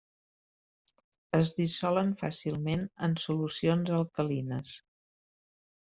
Es dissolen fàcilment en solucions alcalines.